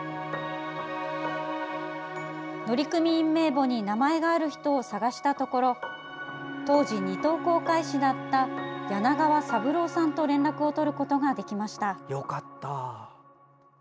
乗組員名簿に名前がある人を捜したところ当時、２等航海士だった柳川三郎さんと連絡を取ることができました。